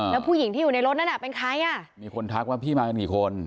แล้วผู้หญิงที่อยู่ในรถนั้นน่ะเป็นใครอ่ะมีคนทักว่าพี่มากันกี่คน